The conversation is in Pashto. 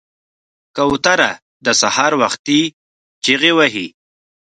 کوتره د سهار وختي چغې وهي.